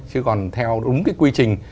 chứ còn theo đúng cái quy trình